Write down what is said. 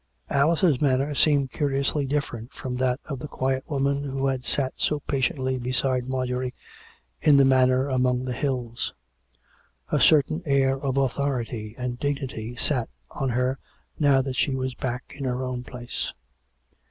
Alice's manner seemed curiously different from that of the quiet woman who had sat so patiently beside IMarjorie in the manor among the hills: a certain air of authority and dignity sat on her now that she was back in her own place.